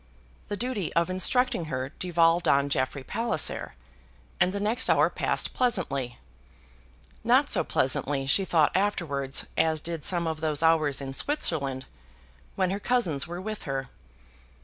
The duty of instructing her devolved on Jeffrey Palliser, and the next hour passed pleasantly; not so pleasantly, she thought afterwards, as did some of those hours in Switzerland when her cousins were with her.